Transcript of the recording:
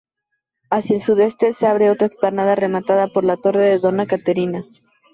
Hacia el sudeste, se abre otra explanada rematada por la "Torre de Dona Caterina".